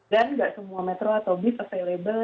dan tidak semua metro atau bis available